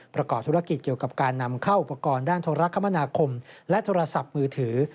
ประกอบธุรกิจเกี่ยวกับการนำเข้าอุปกรณ์ด้านโทรคมนาคมและโทรศัพท์มือถือ